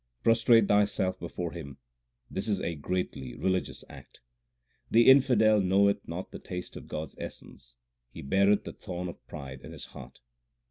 Prostrate thyself before him this is a greatly religious act. The infidel knoweth not the taste of God s essence ; he beareth the thorn of pride in his heart.